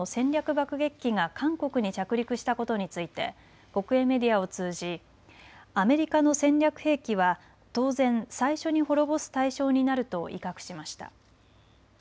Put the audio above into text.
爆撃機が韓国に着陸したことについて国営メディアを通じアメリカの戦略兵器は当然最初に滅ぼす対象になると威嚇しました。